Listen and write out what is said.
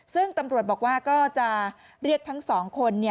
ซึ่งตำรวจบอกว่าก็จะเรียกทั้งสองคน